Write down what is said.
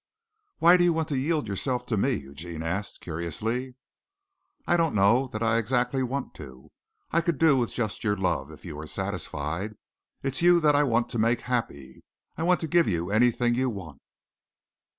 "Why do you want to yield yourself to me?" Eugene asked curiously. "I don't know that I exactly want to. I could do with just your love if you were satisfied. It's you that I want to make happy. I want to give you anything you want."